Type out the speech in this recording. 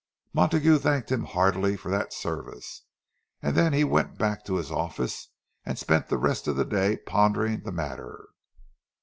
Montague thanked him heartily for that service; and then he went back to his office, and spent the rest of the day pondering the matter.